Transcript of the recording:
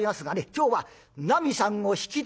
今日はなみさんを引き取りに」。